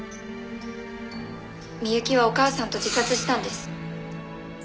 美雪はお母さんと自殺したんです。